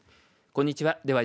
こんにちは。